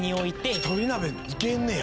一人鍋いけんねや。